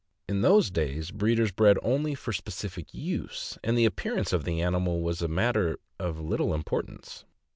In those days, breeders bred only for specific use, and the appearance of the animal was a matter of little importance.